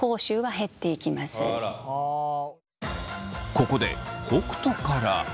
ここで北斗から。